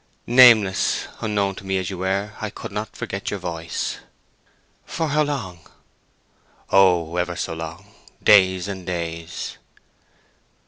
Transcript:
Nameless, unknown to me as you were, I couldn't forget your voice." "For how long?" "Oh—ever so long. Days and days."